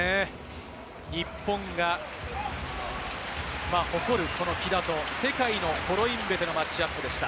日本が誇る、この木田と世界のコロインベテのマッチアップでした。